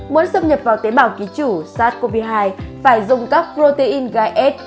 muốn xâm nhập vào tế bào ký chủ sars cov hai phải dùng các protein gai s